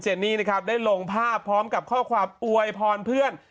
เจนี่ได้ลงภาพพร้อมกับข้อความอวยพรเพื่อน